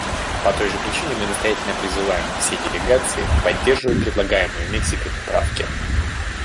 По той же причине мы настоятельно призываем все делегации поддержать предлагаемые Мексикой поправки.